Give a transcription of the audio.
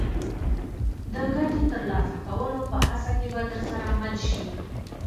د ګټې ترلاسه کولو په هڅه کې به درسره مل شي.